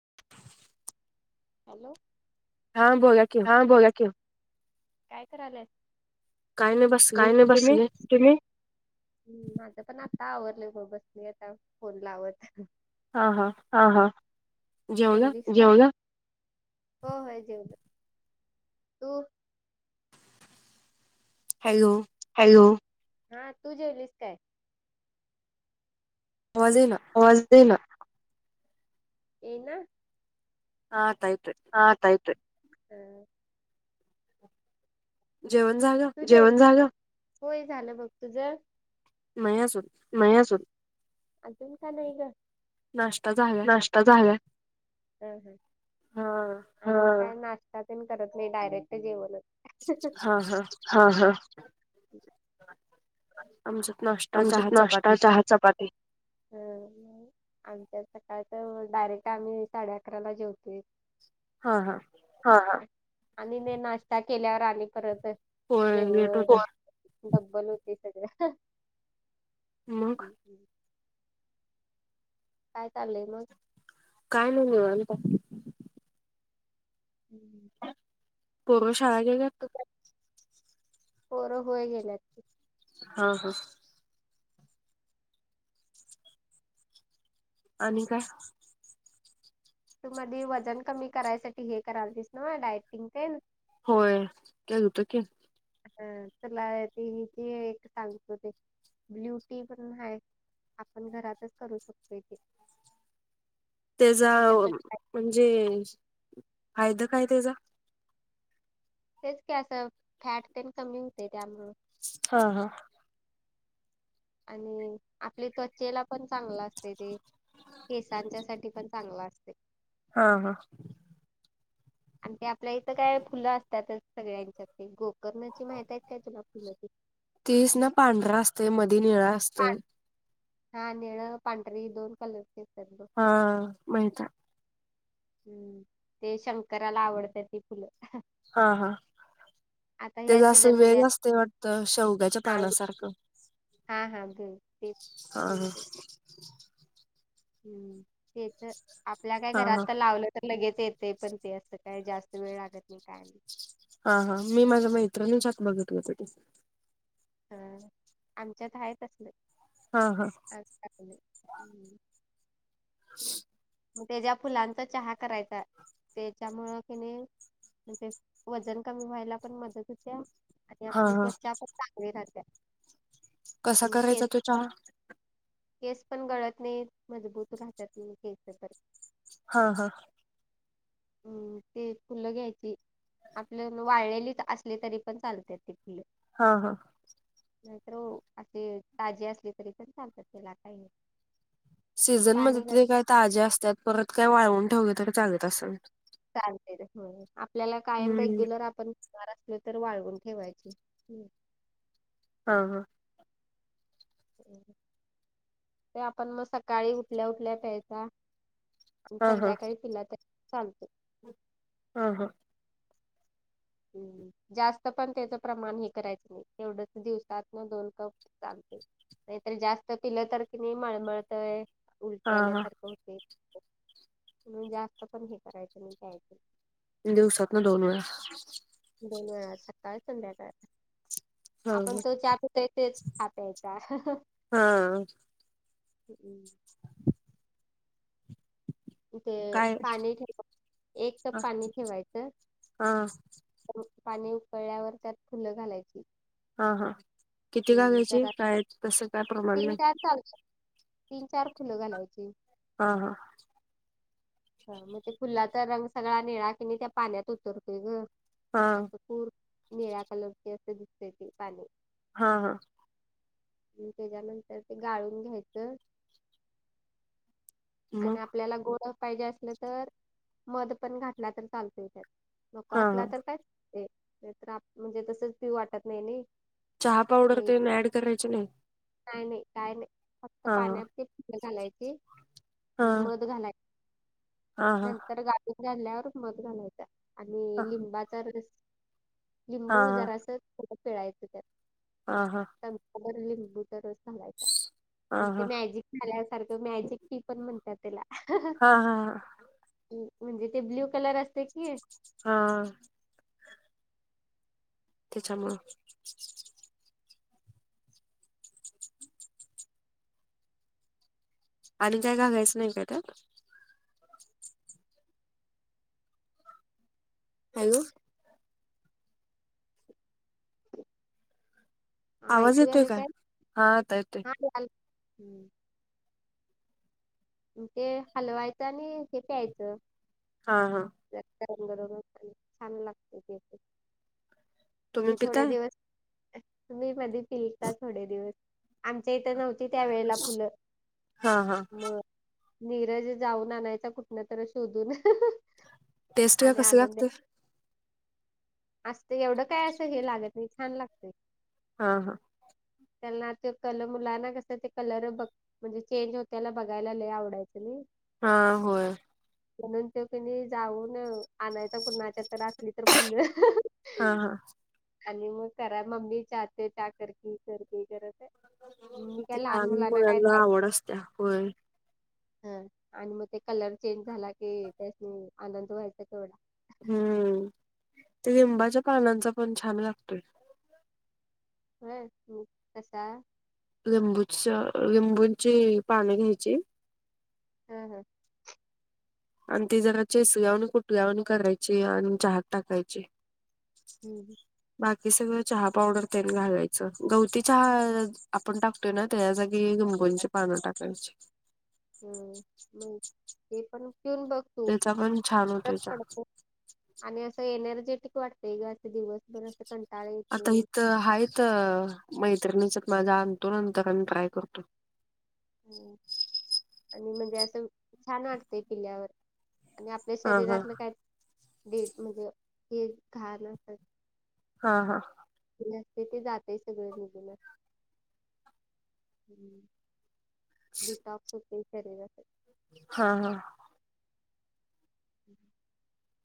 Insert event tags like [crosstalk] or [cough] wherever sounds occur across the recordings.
[inaudible] Hello हा बोला की हा बोला कि, काय करायलाय? काय नाही बा. काय नाही बसले, तुम्ही? हम्म, माझं पण आता आवरडलंय म बस मी आता फोन लावत. हा हा जेवला? हो होय जेवले. त [inaudible] हॅलो. हॅलो, हा तू जेवलीस काय? वाजे ना. वास देना, ये ना. हा ताई तर हा आता येतोय. हम [inaudible] जेवण झालं? जेवण झालं होय झालं बघ तुझं? नाहीया आजून असून. नाहीय अजून तुमचं नाही गं. नाश्ता झाला. नाश्ता झाला हा ह. त्या पण करत नाही डायरेक्ट जेवणच हा हा. आमच्यात नाश्ता आमच्या चहा तं नाश्ता चपाती चहा चपाती. आमच्या सकाळच डायरेक्ट आम्ही साडे अकरा ला जेवतो. हा हा. ह आणि न नाश्ता केल्यावर आली परत होय लेट जेवण. होतय डब्बल होते सगळ्या. मग. हम्म, काय चाललंय मग? काय नाही देऊ आता [inaudible] [unintelligible] पोरं शाळा गेल्यात? पोर होय गेल्यात. हा हा. आणि काय? तू मध्ये वजन कमी करायसाठी हे करायला दिस ना डायटिंग ते. होय कालतं के. हा तुला ते जे एक सांगतो ते ब्ल्युटी पण आहे. आपण घरातच करू शकतोयं ते. त्याचा म्हणजे फायदा काय त्याचा? तेचं कि असं फॅट पण कमी होते त्यामुळं. हा हा. आणि आपली त्वचेला पण चांगला असते ते. केसांच्या साठी पण चांगला असते. हा हा. आणि ते आपल्या इथं काय फुलं असतातच सगळ्यांच्या ते गोकर्णची माहती आहेत काय तुला फुलंची ते? तीच ना पांढरा असते मध्ये निळा असते. हा निळं पांढरी दोन कलरची असतात गं. हा माहिता. हम्म ते शंकराला आवडतं ते फुलं. हा हा तेज असं वेळ असतं वाटतं शेवगाच्या पानासारखं. हा हा तेचं. ह ह. हम्म तेच आपल्या काय हा घरात हा तर लावलं तर लगेच येते. पण ते असं काय जास्त वेळ लागत नाही काय नाय. हा हा मी माझ्या मैत्रिणीच्यात बघतं होते ते. ह आमच्यात आहे तसलं. हा हा. ह् [inaudible] ते ज्या फुलांचा चहा करायचा त्याच्यामुळं किने म्हण ते वजन कमी व्हायला पण मदत होत्या. आणि हा आपली हा तवचा पण चांगली राहतते कसा इन करायचा केस तो चहा पन केस पण गळत नाही मजबूत राहतत केस तर. हा हा. हम्म ते फुलं घ्यायचे. आपल्या वाळलेली असली तरी पण चालते ती फलं. हा हा. नाहीतर हो, असे ताजे असले तरी पण चालतात त्याला काही. सीझन मध्ये त काय ताज्या असतात परत काय वाळवून ठेवल तरी चागत असेल. चालते, आपल्याला कायम हम्म रेग्युलर आपण.. जा रअसले तर वाळगून ठेवायचे हा हा. ते आपण मग सकाळी उठल्या उठल्या प्यायचा. आणि हा हा संध्याकाळी पिला तरी चालत. ह हा. जास्त पण त्याच प्रमाण हे करायच नाही तेवढच दिवसात ना दोन कप. चांगते नाहीतरी जास्त पिलं तर कि नाही मळमळतय. उलटे हा हा आल्यासारख होतय म्हणून जास्त पण हे करायच मी त्याय दिवसात न दोन वेळा. दोन वेळा सकाळ संध्याकाळ. हा आपण तो चा पता तेच ख प्यायचा.. हा हा हम्म. ते काय पाणी ठेवा, एक कप हा पाणी ठेवायच. हा पाणी उकळल्यावर त्यात फुल घालायची. हा हा, किती कागायचे काय तस काय प्रमाण नाही. चालत तीन चार फुल घालायची हां हां. हा, मग ते फुलाचा रंग सगळा निळा कि नाही त्या पाण्यात उतरतोय ग हा अस पूर.. निळ्या कलरची असे दिसते ती पाणी. हा हा. त्याच्यानंतर ते गाळून घ्यायच. आणि मग आपल्याला गोर पाहिजे असल तर मध पण घातला तर चालतोय त्यात. नको हा असला हा तर कायच, ते तर म्हणजे तसच पिऊ वाटत नाही नाही. चहा पावडर तेन ऍड करायची नाही. काय नाही काय नाही फक्त हा पाण्या फल घालायची. हा आणि मध घालायच हा हा नंतर गाजून घाल्यावर मध घालायचा. आणि हा लिंबाचा रस, लिंबू हा जरास पिळायच त्यात. ह हां. चमचा भर लिंबूचा रस घालायचा आणि ते हा मॅजिक झााल्यासारख मॅजिक.. ती पण म्हणतात त्याला हा हा म्हणजे ते ब्ल्यू कलर असते कि. हा. तेच्या मुळ. आणि काय घालायच नाही का त्यात? हॅलो आवाज येतोय काय हा आता येतोय ते हलवायचं आणि हे प्यायचं हा हा जास्त आंग गरम होतय छान लागत ते पण तुम्ही मी थोडे पिताय दिवस तुम्ही मधी पीलता थोडे दिवस आमच्या इथं नव्हत ते त्या वेळेला फुलं हा हा मग नीरज जाऊन आणायचा कुठन तर शोधून टेस्ट ला कसं लागतोय असत एवढं काय असं हे लागत नाही छान लागतय हा हा त्यांना ते कलम मुलांना कस ते कलर बघ म्हणजे चेंज होत्याला बघायला लय आवडायचं नई हा होय म्हणून तो कणी जाऊन आणायच कुणाच्या तर असली तर फुलं हा हा आणि मग करा मम्मी चाहते त्या करकी करकी करत ती लहान मुलांना आवड असत्या होय ह आणि मग ते कलर चेंज झाला की त्यासणी आनंद व्हायचा केवढा हम्म ते लिंबाच्या पानांचा पण छान लागतोय होय मु कसा लिंबूच्या लिंबूची पानं घ्यायची ह ह आणि ती जरा चेसल्या वानी कुठल्या वाणी करायची आणि चहात टाकायची हम्म बाकी सगळं चहा पावडर त्यांन घालायचं गवती चहा आपण टाक त्यन त्या जागी लीबुंची पानं टाकायची हम म ते पण पीऊन बघ तू त्याचा पण छान फरक होतोय चहा. पडतो आणि असं एनर्जेटिक वाटतंय ग अस दिवस बर असं कण आता इथ हायच मैत्रिणीच माझा आणतो नंतर आम्ही ट्राय करतो ह आणि म्हणजे असं छान वाटतंय पिल्यावर आणि आपल्या हा हा शरीरातलं काय म्हणजे हे घाण अस हा हा जे अस्त ते जातय सगळे निगुनच हम्म डिटॉक सुथिन शरीराते हा हा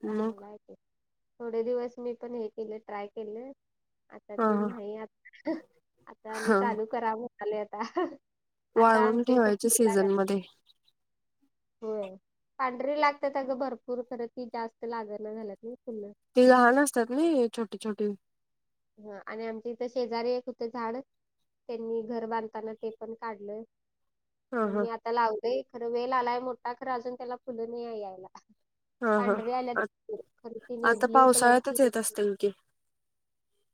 मग चांगलं आहे ते थोडे दिवस मी पण हे केलं ट्राय केलं आता हा ते हा नाही आता आता आणि हा चालू करा म्हणालो आता आता वाळवून आमच इथ ठेवायचे फुलं आल्यात सीझन मध्ये होय पांढरी लागत्यात सगळं भरपूर खरं ती जास्त लागण झाल्यात ना फुल ती लहान असतात नई छोटी छोटी ह आणि आमच्या इथ शेजारी एक होत झाड त्यांनी घर बांधताना ते पण काढलं ह मग ह मी आता लावय खरं वेल आलाय मोठा खरं अजून त्याला फुल नाई यायला ह ह पांढरीे आल्यात खर आता ब्ल्यू पावसाळ्यातच कलरची. येत असतील की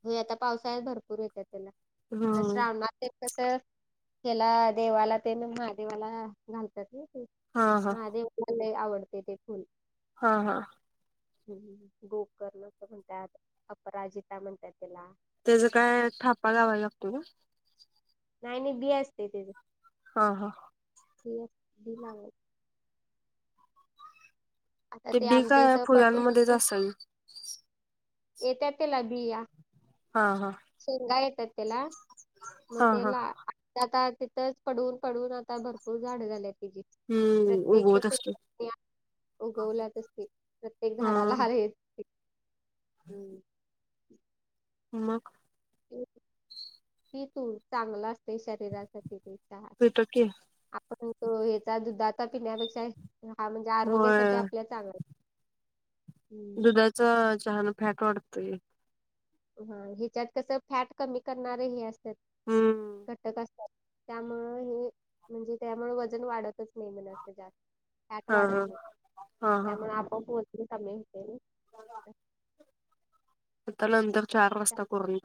होय आता पावसाळ भरपूर येत्यात त्याला आता हम्म श्रावणत. कस त्याला देवाला ते महादेवाला घालतात नाई ते. हा हा महादेवलालाय आवडते ते फुल. हा हा. हम्म गोकर्ण अस म्हणतात अपराजिता म्हणतात त्याला. त्याचा काय थापा लावा लागतो का. नाही नाही बी असते तेच. हा हा. ते ब लागत. ते बी काय फुलांमध्येच असेल. ये तर पेलाभी या. हा हा. शेंगा येतात त्याला मग हा ते हा ला. आता तिथंच पडवून पडून आता भरपूर झाड झाले आहेत ति. हम्म प्रत्येक उगवत असतो उगवल्यात असते प्रत्येक हा झाडाला आहेत. हम्म. म मग. ती तू चांगलं असते शरीरासाठी त. त टक. आपण तो ह्याचा दुध आता पिण्यापेक्षा हा म्हणजे होय आरोग्यासाठी आपल्या चांगला. दुधाचा चहाान फॅट वाढतय. हा ह्याच्यात कसं फॅट कमी करणार हे असतात. हम. कटक असतात. त्यामु हे म्हणजे त्यामु वजन वाढतच नाही म्ह असं जास्त. हट हा वाढत हा नाही हा हा त्यामुळे आपोआप वज कमी होते. आता नंतर चार वाजता करून.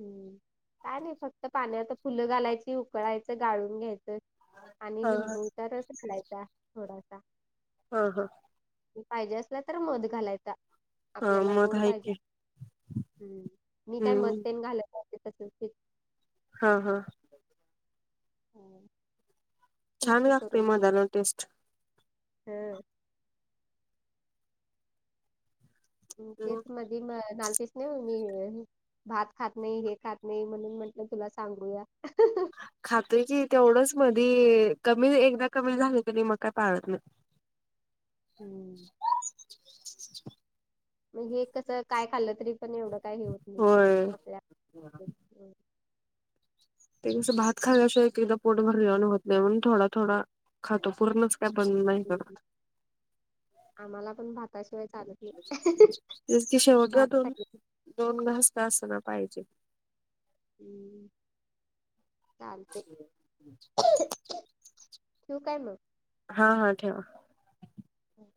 हम्म काय नाही फक्त पाण्यातत फुलं घालायची उकळायचं गाळून घ्यायचं. आणि हा हा लिंबूचा रस घालायचा थोडासा. हा हा. पाहिजे असल्या तर मध घालायचा. हा आपल्याला मध गोड आहे पाहिजे की हम् मी काय हम्म मदतेन घालत पाे त. हा हा. छान तू लागते करून मधाला टेस्ट हम. तेच मग मध म लाल पीस नाही मी. भात खात नाही हे खात नाही म्हणून म्हटलं तुला सांगूया. खातोय की तेवढंच मधी कमी एकदा कमी झालं क नाही मग काय पाळत नाही. हम्म. मग हे कसं काय खाल्लं तरी पण एवढं काय हे होत नाही होय आपल्या. तेसं भात खायलाशिवा एक एकदा पोट भरले होत नाही म्हणून थोडा थोडा खातो पूर्णच. त्या बंद नाही करत. ते क शेवत काातून. दोन घजता असना पाहिजे. हम् चालतय. ठेवू काय मग? हा हा ठेवा. हम्.